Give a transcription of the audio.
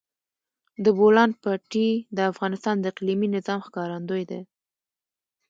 د بولان پټي د افغانستان د اقلیمي نظام ښکارندوی ده.